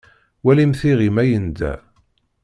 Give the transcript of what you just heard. Walimt iɣi ma yenda.